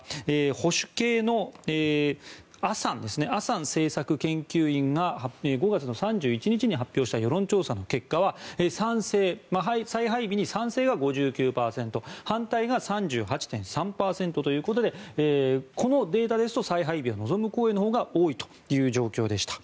保守系の峨山政策研究院が５月の３１日に発表した世論調査の結果は再配備に賛成が５９％反対が３８．３％ということでこのデータですと再配備を望む声のほうが多いという状況でした。